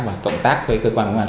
và cộng tác với cơ quan công an